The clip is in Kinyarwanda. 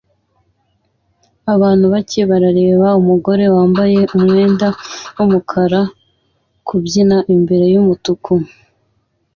Abantu bake bareba umugore wambaye umwenda wumukara kubyina imbere yumutuku